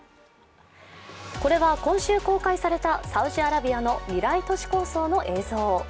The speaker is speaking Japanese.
これは今週公開されたサウジアラビアの未来都市構想の映像。